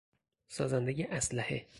سازندهی اسلحه